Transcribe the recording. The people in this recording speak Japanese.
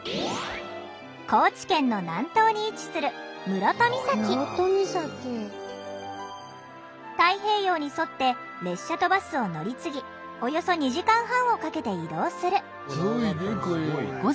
高知県の南東に位置する太平洋に沿って列車とバスを乗り継ぎおよそ２時間半をかけて移動する。